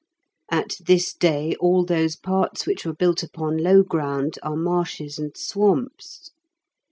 At this day all those parts which were built upon low ground are marshes and swamps.